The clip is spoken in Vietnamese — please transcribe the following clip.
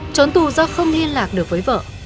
trốn tù do không liên lạc được với vợ